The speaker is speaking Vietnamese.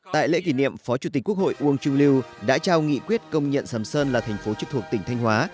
tại lễ kỷ niệm phó chủ tịch quốc hội uông chu lưu đã trao nghị quyết công nhận sầm sơn là thành phố trực thuộc tỉnh thanh hóa